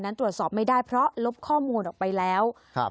นั้นตรวจสอบไม่ได้เพราะลบข้อมูลออกไปแล้วครับ